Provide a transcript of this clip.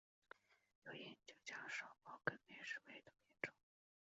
有研究将少孢根霉视为的变种。